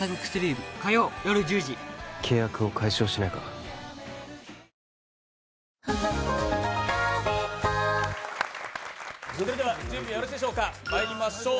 おいしさプラス準備はよろしいでしょうかまいりましょう。